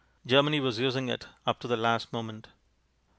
Germany was using it up to the last moment.